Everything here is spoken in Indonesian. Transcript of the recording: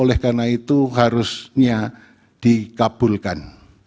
oleh karena itu harusnya dikabulkan